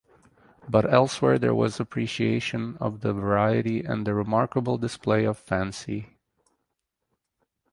But elsewhere there was appreciation of the variety and the remarkable display of fancy.